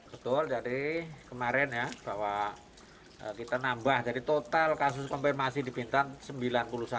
betul jadi kemarin ya bahwa kita nambah jadi total kasus konfirmasi di bintan sembilan puluh satu